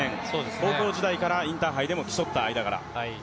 高校時代からインターハイでも競った間柄。